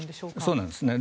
そうなんですね。